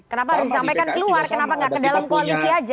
kenapa harus disampaikan keluar kenapa nggak ke dalam koalisi aja